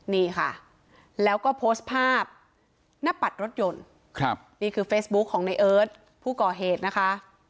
นี่ค่ะแล้วก็โพสต์ภาพหน้าปัดรถยนต์นี่คือเฟซบุ๊คของในเอิร์ทผู้ก่อเหตุนะคะ